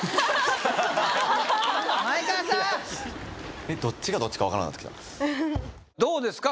前川さんどっちがどっちかわからんなってきたどうですか？